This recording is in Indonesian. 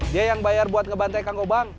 dia yang bayar buat ngebantai kang gobang